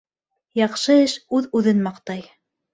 Яҡшы эш үҙ-үҙен маҡтай.